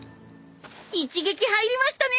一撃入りましたね！